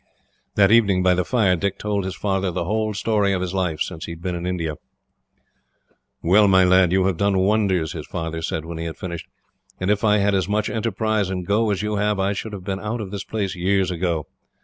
That evening by the fire, Dick told his father the whole story of his life since he had been in India. "Well, my lad, you have done wonders," his father said, when he had finished; "and if I had as much enterprise and go as you have, I should have been out of this place years ago.